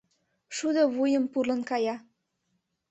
Шудо вуйым пурлын кая;